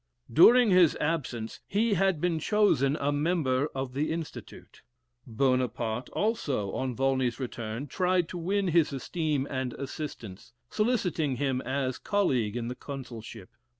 During his absence, he had been chosen a member of the Institute. Buonaparte also, on Volney's return, tried to win his esteem and assistance, soliciting him as colleague in the consulship.